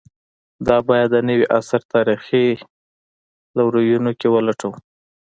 دا باید د نوي عصر تاریخي لورینو کې ولټوو.